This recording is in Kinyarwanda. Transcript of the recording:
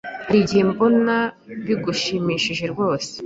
Hari igihe mbona bigushimishije rwose.